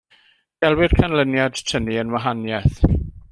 Gelwir canlyniad tynnu yn wahaniaeth.